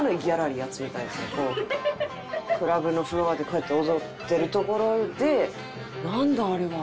クラブのフロアでこうやって踊ってるところで。